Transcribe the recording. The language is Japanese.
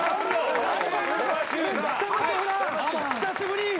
久しぶり！